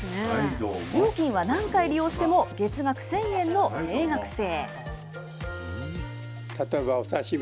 料金は何回利用しても月額１０００円の定額制。